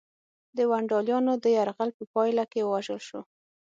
د ونډالیانو د یرغل په پایله کې ووژل شو.